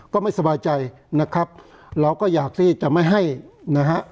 ก็ไม่สบายใจนะครับเราก็อยากที่จะไม่ให้นะฮะ